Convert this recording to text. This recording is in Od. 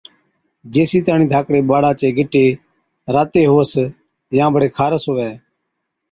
جيسِي تاڻِي ڌاڪڙي ٻاڙا چي گِٽي راتي هُوَس يان بڙي خارس هُوَي